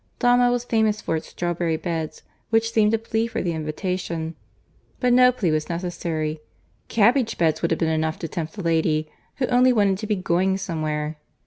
Donwell was famous for its strawberry beds, which seemed a plea for the invitation: but no plea was necessary; cabbage beds would have been enough to tempt the lady, who only wanted to be going somewhere.